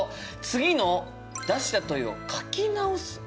次の「出した問いを書き直す」。